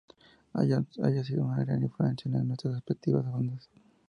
Habían sido una gran influencia en nuestras respectivas bandas.